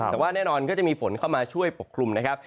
แต่ว่าแน่นอนก็จะมีฝนเข้ามาช่วยปกคลุมนะครับ